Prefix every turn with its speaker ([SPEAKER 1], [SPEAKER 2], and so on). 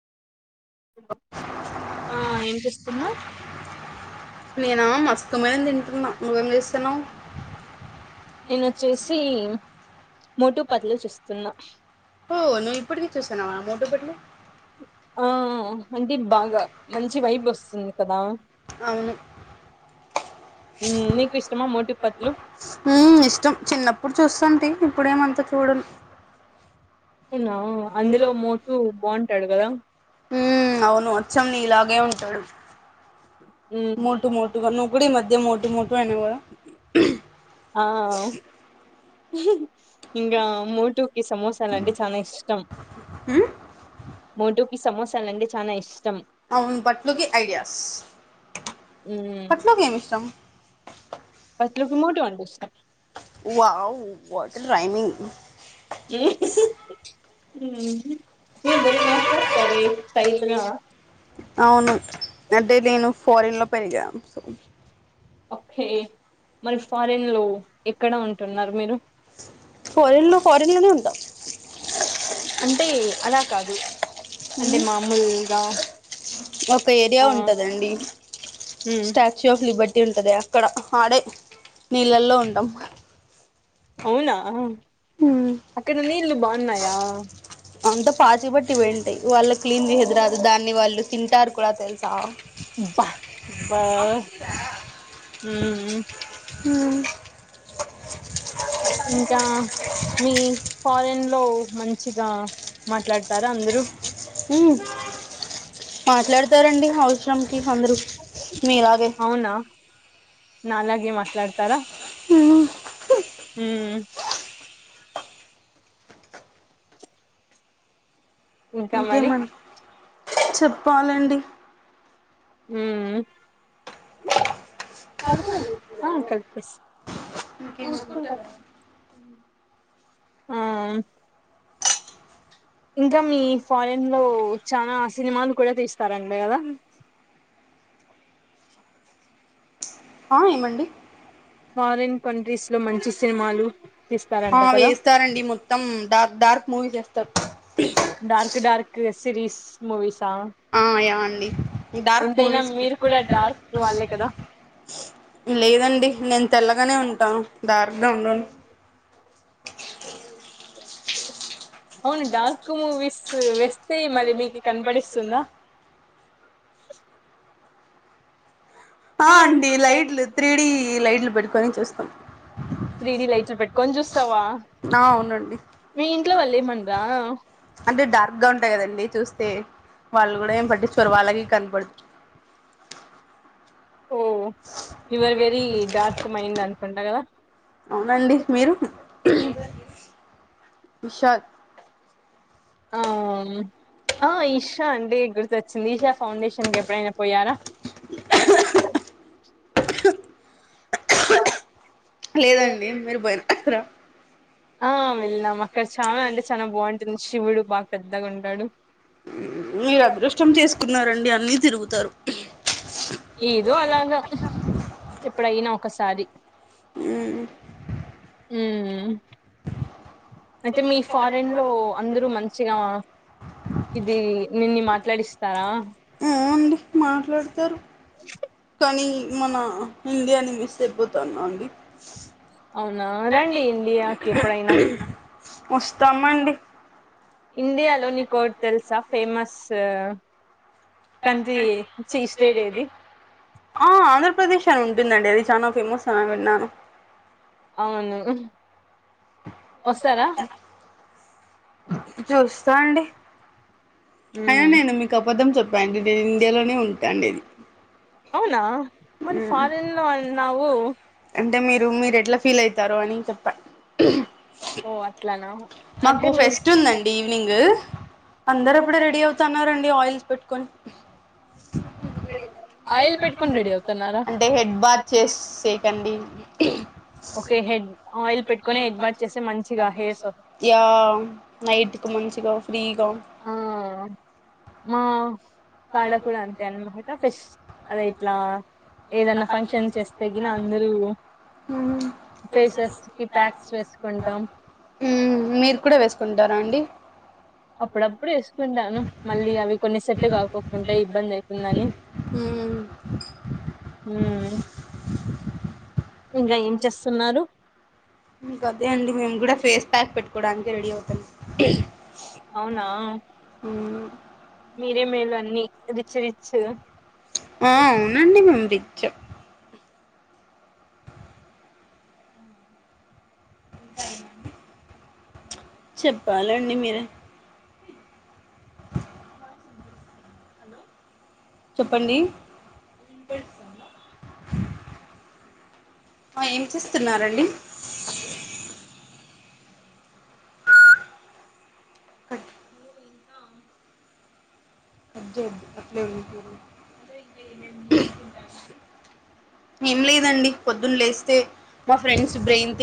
[SPEAKER 1] ఆ ఏం చేస్తున్నా
[SPEAKER 2] నేనా మస్క్ మిలాన్ తింటున్నా నువ్వేం చేస్తూన్నావు
[SPEAKER 1] నేనొచ్చేసి మోటు పతులు చూస్తున్నా
[SPEAKER 2] దోభట్లో
[SPEAKER 1] ఆ అంటే బాగా మంచి వైబ్ వస్తుంది కదా
[SPEAKER 2] అవును
[SPEAKER 1] ఉమ్ నీకు ఇష్టమా మోటు పతులు
[SPEAKER 2] ఇష్టం చిన్నప్పుడు చూస్తుంటి ఇప్పుడేమంతా చూడను
[SPEAKER 1] అవునా అందులో మోటు బాగుంటాడు కదా
[SPEAKER 2] ఉ అవును అచ్చం నీలాగే ఉంటాడు
[SPEAKER 1] ఉమ్,
[SPEAKER 2] మోటు మోటుగా నువ్వు కూడా ఈ మధ్య మోటు మోటు అయినావు కదా
[SPEAKER 1] ఆ ఇంకా మోటుకి సమోసాలంటే చనా ఇష్టం
[SPEAKER 2] హు
[SPEAKER 1] మోటోకి సమోసాలంటే చాలా ఇష్టం
[SPEAKER 2] అవును పట్లోకి ఐడియాస్ పట్లోకి ఏమి ఇష్టం
[SPEAKER 1] పట్లు కీ మోటు అంటే ఇష్టం
[SPEAKER 2] హావ్ వాట్ ఏ రైమింగ్
[SPEAKER 1] [unintelligible] హ మీరు బలే మాట్లాడతారే స్టయిల్ గా
[SPEAKER 2] అవును అంటే నేను ఫారిెన్ లో పెరిగాను
[SPEAKER 1] ఓకే మరి ఫారెన్ లో ఎక్కడ ఉంటున్నారు మీరు
[SPEAKER 2] ఫోరెన్లో ఫోరెన్లోనే ఉంటా
[SPEAKER 1] అంటే అలా కాదు అంటే మామూలుగా
[SPEAKER 2] ఒక ఏరియా
[SPEAKER 1] ఆ
[SPEAKER 2] ఉంటదండి
[SPEAKER 1] ఉమ్
[SPEAKER 2] స్టాచ్యూ ఆఫ్ లిబర్టీ ఉంటది అకడ ఆడే నీళ్ళల్లో ఉంటాం
[SPEAKER 1] అవునా అక్కడ నీళ్లు బాగున్నాయా
[SPEAKER 2] అంత పాచిపట్టి పోయిటయీ వాళ్ళు క్లీన్ చేసేదిరాదు దాన్ని వాళ్ళు తింటారు కూడా తెలుసా
[SPEAKER 1] బ బ హ్మ్మ్
[SPEAKER 2] హ్మ్మ్
[SPEAKER 1] ఇంకా మీ ఫారెన్ లో మంచిగా మాట్లాడతారా అందరూ
[SPEAKER 2] మాట్లాడతారండి అవసరం అందరు మీలాగే
[SPEAKER 1] నాలగే మాట్లాడతారా హ్మ్మ్ ఇంకా మరి
[SPEAKER 2] ఇంకేమండి చెప్పాలండి
[SPEAKER 1] ఉమ్ ఆ కలిపేస్ [unintelligible] ఆ ఇంకా మీ ఫారెన్ లో చనాా సినిమాలు కూడా తీస్తారంట కదా [inaudible]
[SPEAKER 2] ఆ ఏమండి
[SPEAKER 1] ఫారిన్ కంట్రీస్ లో మంచి సినిమాలు తీస్తారంట
[SPEAKER 2] ఆ
[SPEAKER 1] కదా
[SPEAKER 2] వేస్తారంండి మొత్తం డార్క్ డార్క్ మూవీస్ వేస్తారు
[SPEAKER 1] డార్క్ డార్క్ సిరీస్ మూవీసా
[SPEAKER 2] ఆ యా అండి డార్క్
[SPEAKER 1] ఎంతైనా
[SPEAKER 2] మూవీస్
[SPEAKER 1] మీరు కూడా డార్క్ వాళ్ళే కదా
[SPEAKER 2] లేదండి నే తెల్లగానే ఉంటాం డార్క్గా ఉండను
[SPEAKER 1] అవును డాార్క్ మూవీస్ వేస్ స్తే మీరీ మీకి కనపడిస్తుందా
[SPEAKER 2] ఆ అండి లైట్లు త్రీడి లైట్లు పెట్టుకోని చూస్తాం
[SPEAKER 1] త్రీ డి లైట్లు పెట్టుకొని చూస్తావా
[SPEAKER 2] ఆ అవునండి
[SPEAKER 1] మీ ఇంట్లో వాళ్ళు ఏమండ్రా
[SPEAKER 2] అంటే డార్క్ గా ఉంటాయి కదండి చూస్ తే వాళ్ళు కూడా ఏం పట్టిచుకోరు వాళ్ళకి కనపడదు
[SPEAKER 1] oh you are very dark mind అనుకుంటా కదా
[SPEAKER 2] అవునండి మీరు
[SPEAKER 1] [inaudible]
[SPEAKER 2] ఈషా
[SPEAKER 1] ఆ ఆ ఈషా అంటే గుర్తొచ్చింది ఈషా ఫౌండేషన్ కి ఎప్పుడైనా పోయారా అ [unintelligible]
[SPEAKER 2] లేదండి మీరు పోయినారా
[SPEAKER 1] ఆ వెళ్లాం అక్కడ చానా అంటే చానా బాగుంటుంది శివుడు బా పెద్దగ ఉంటడు
[SPEAKER 2] మీరు అదృష్టం చేసుకున్నారండి అన్ని తిరుగుతరు
[SPEAKER 1] ఏదో అలాగా ఎప్పుడయినా ఒకసారి
[SPEAKER 2] ఉమ్
[SPEAKER 1] ఉమ్ అయితే మీ ఫారెన్ లో అందరూ మంచిగా ఇది నిన్ని మాట్లాడిస్తారా
[SPEAKER 2] అండి మాట్లాడతారు కానీ మన ఇండియాని మిస్ అయిపోతాన్నా అండి
[SPEAKER 1] అవునా రండి ఇండియాకి ఎప్పుడైనా
[SPEAKER 2] వస్తామండి
[SPEAKER 1] ఇండియాలో నీకోటి తెలుసా ఫేమస్ కంట్రీ చీ స్టేట్ ఏది
[SPEAKER 2] ఆ ఆంధ్రప్రదేశ్ అని ఉంటుందండి అది చానా ఫేమస్ అని విన్నాను
[SPEAKER 1] అవును ఉహ్ వస్తారా
[SPEAKER 2] చూస్తా అండి అయినా
[SPEAKER 1] ఉమ్
[SPEAKER 2] నేను మీకు అబద్ధం చెప్పానండి నేను ఇండియాలోనే ఉంటా అండి
[SPEAKER 1] అవునా మరి ఫారెన్ లో అన్నావు
[SPEAKER 2] అంటే మీరు మీరు ఎట్లా ఫీల్ ఐతరో అని చెప్ప
[SPEAKER 1] ఓ అట్లనా
[SPEAKER 2] మాకు ఫెస్ట్ ఉందండి ఈవినింగ్ అందరప్పుడే రెడీ అవుతున్నారండి ఆయిల్స్ పెట్టుకొని
[SPEAKER 1] ఆయిల్ పెట్టుకొని రెడీ అవుతున్నారా
[SPEAKER 2] అంటే హెడ్ బాత్ చేసేకండి
[SPEAKER 1] ఓకే హెడ్ ఆయిల్ పెట్టుకొని హెడ్ బాత్ చేస్తే మంచిగా హెయిర్ సో
[SPEAKER 2] యా నైట్కి మంచిగా ఫ్రీ
[SPEAKER 1] ఆ మా కాడ కూడా అంతే అన్మాట ఫెస్ అదే ఇట్లా ఏదన్నా ఫంక్షన్ చేస్తేగిన అందరూ ఫేసెస్ కి ప్యాక్స్ వేస్కుంటం
[SPEAKER 2] మ్ మీరు కూడ వేసుకుంటరా అండి
[SPEAKER 1] అప్పుడప్పుడు ఏసుకుంటాను మళ్ళీ అవి కొన్ని సెట్టు కాకోకుంటె ఇబ్బంది ఐతుందని మ్ ఇంగ ఏం చేస్తున్నారు
[SPEAKER 2] గదే అండి మేము గూడ ఫేస్ ప్యాక్ పెట్టుకోడానికి రెడీ అవుతున్నం
[SPEAKER 1] అవునా మీరే మేలు అన్ని రిచ్ రిచ్చు
[SPEAKER 2] ఆ అవునండి మేము రిచ్ చెప్పాలండి మీరే చెప్పండి ఆ ఏం చేస్తున్నారండి [inaudible] [unintelligible] ఏం లేదండి పొద్దున్ లేస్తే మా ఫ్రెండ్స్ బ్రెయిన్ తి